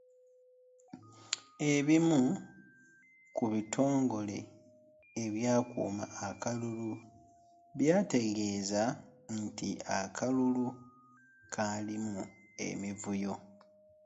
Ebimu ku bitongole ebyakuuma akalulu byategeeza nti akalulu kaalimu emivuyo